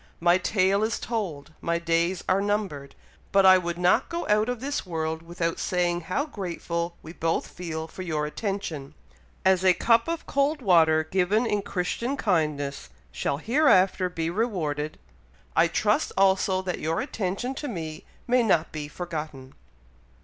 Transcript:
My tale is told, my days are numbered; but I would not go out of this world without saying how grateful we both feel for your attention. As a cup of cold water given in Christian kindness shall hereafter be rewarded, I trust also that your attention to me may not be forgotten."